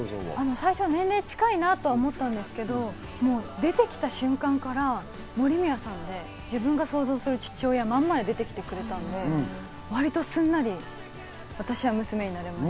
最初、年齢が近いなと思ったんですけど、出てきた瞬間から森宮さんで、自分が想像する父親のままで出てきてくれたんで割とすんなり私は娘になれました。